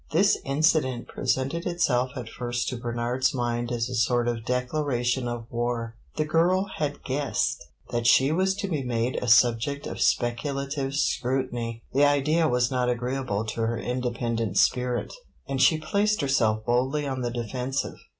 This incident presented itself at first to Bernard's mind as a sort of declaration of war. The girl had guessed that she was to be made a subject of speculative scrutiny. The idea was not agreeable to her independent spirit, and she placed herself boldly on the defensive.